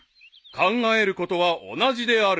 ［考えることは同じである］